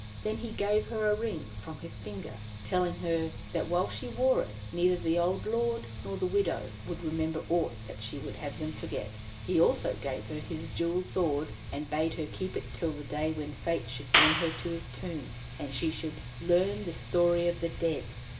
Then he gave her a ring from his finger, telling her that while she wore it neither the old lord nor the widow would remember aught that she would have them forget. He also gave her his jewelled sword, and bade her keep it till the day when Fate should bring her to his tomb, and she should 'learn the story of the dead.'